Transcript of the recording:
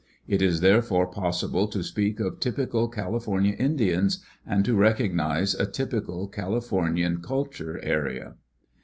It is therefore possible to speak of typical California Indians and to recognize a typical Calif ornian culture area.